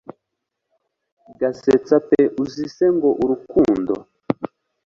gasetsa pe uzi se ngo urukundo